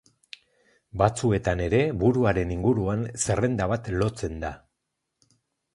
Batzuetan ere buruaren inguruan zerrenda bat lotzen da.